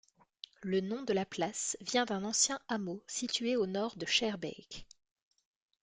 Le nom de la place vient d'un ancien hameau situé au nord de Schaerbeek.